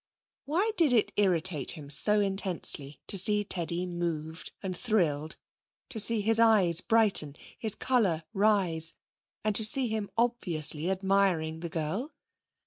Why did it irritate him so intensely to see Teddy moved and thrilled, to see his eyes brighten, his colour rise and to see him obviously admiring the girl?